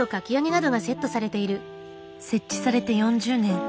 設置されて４０年。